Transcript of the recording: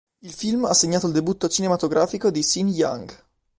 Il film ha segnato il debutto cinematografico di Sean Young.